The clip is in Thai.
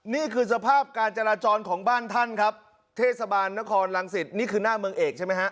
นี่คือสภาพการจราจรของบ้านท่านครับเทศบาลนครรังสิตนี่คือหน้าเมืองเอกใช่ไหมฮะ